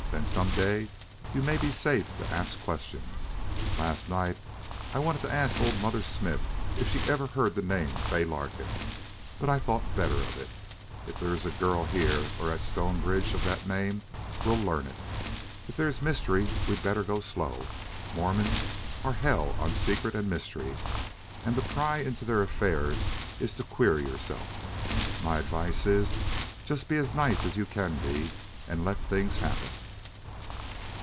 Then some day you may be safe to ask questions. Last night I wanted to ask old Mother Smith if she ever heard the name Fay Larkin. But I thought better of it. If there's a girl here or at Stonebridge of that name we'll learn it. If there's mystery we'd better go slow. Mormons are hell on secret and mystery, and to pry into their affairs is to queer yourself. My advice is just be as nice as you can be, and let things happen."